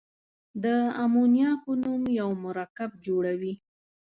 د امونیا په نوم یو مرکب جوړوي.